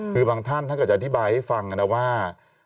คือบางท่านท่านก็จะอธิบายให้ฟังกันนะว่า